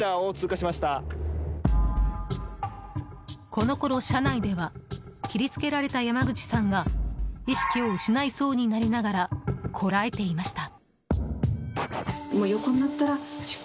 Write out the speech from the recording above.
このころ、車内では切りつけられた山口さんが意識を失いそうになりながらこらえていました。